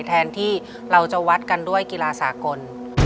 แทนที่เราจะวัดกันด้วยกีฬาสากล